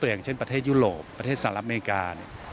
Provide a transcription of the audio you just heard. อย่างเช่นประเทศยุโรปประเทศสหรัฐอเมริกา